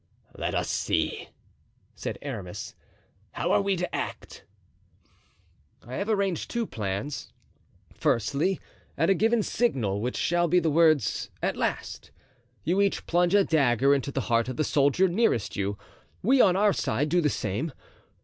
"Let us see," said Aramis, "how are we to act?" "I have arranged two plans. Firstly, at a given signal, which shall be the words 'At last,' you each plunge a dagger into the heart of the soldier nearest to you. We, on our side, do the same.